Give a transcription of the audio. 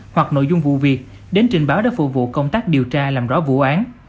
hoặc nội dung vụ việc đến trình báo đã phụ vụ công tác điều tra làm rõ vụ án